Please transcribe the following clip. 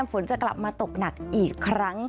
ฝนจะกลับมาตกหนักอีกครั้ง